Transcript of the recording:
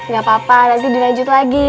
gapapa nanti dilanjut lagi